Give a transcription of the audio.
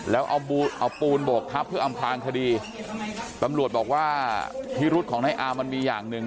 แล้วเอาปูนโบกทับเพื่ออำพลางคดีตำรวจบอกว่าพิรุธของนายอามมันมีอย่างหนึ่ง